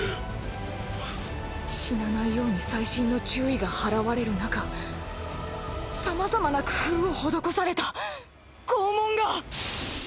死なないように細心の注意が払われるなかさまざまな工夫を施された拷問が。